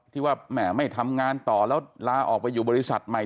ที่ว่าแหมไม่ทำงานต่อแล้วลาออกไปอยู่บริษัทใหม่